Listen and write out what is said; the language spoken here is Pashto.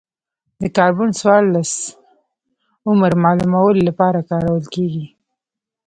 د کاربن څورلس عمر معلومولو لپاره کارول کېږي.